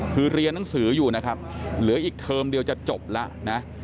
คือเรียนหนังสืออยู่นะครับเหลืออีกเทอมเดียวจะจบแล้วนะ